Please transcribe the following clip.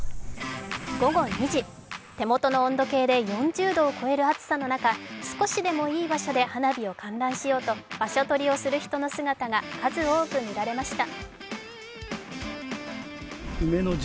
午後２時、手元の温度計で４０度を超える暑さの中、少しでもいい場所で花火を観覧しようと場所取りをする人の姿が数多く見られました。